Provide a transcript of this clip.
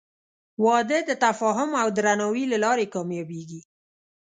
• واده د تفاهم او درناوي له لارې کامیابېږي.